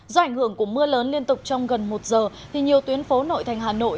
do ảnh hưởng của mưa lớn liên tục trong gần một giờ thì nhiều tuyến phố nội thành hà nội